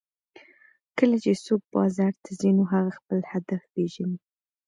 کله چې څوک بازار ته ځي نو هغه خپل هدف پېژني